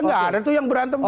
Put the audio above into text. nggak ada tuh yang berantem